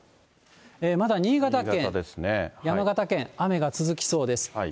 まだ新潟県、山形県、雨が続きそうです。